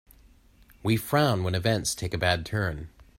We frown when events take a bad turn.